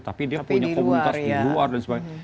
tapi dia punya komunitas di luar dan sebagainya